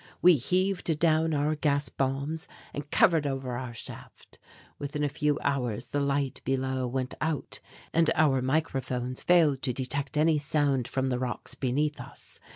We heaved down our gas bombs and covered over our shaft. Within a few hours the light below went out and our microphones failed to detect any sound from the rocks beneath us.